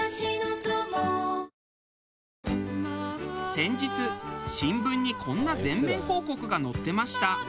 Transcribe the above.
先日新聞にこんな全面広告が載ってました。